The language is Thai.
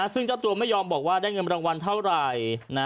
ซึ่งเจ้าตัวไม่ยอมบอกว่าได้เงินรางวัลเท่าไหร่